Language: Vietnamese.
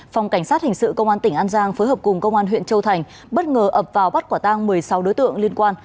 phòng cảnh sát hình sự công an tỉnh an giang phối hợp cùng công an huyện châu thành bất ngờ ập vào bắt quả tang một mươi sáu đối tượng liên quan